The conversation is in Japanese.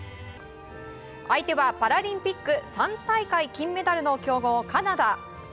相手はパラリンピック３大会金メダルの強豪カナダ。